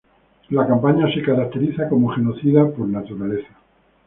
La campaña se caracteriza como genocida por naturaleza.